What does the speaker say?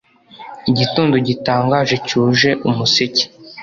Igitondo gitangaje cyuje umuseke